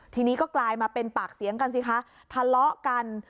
ทีนี้ก็กลายมาเป็นปากเสียงกันสิคะทะเลาะกัน